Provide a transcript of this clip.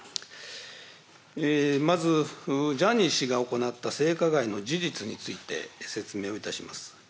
まずジャニー氏が行った性加害の事実について説明をいたします。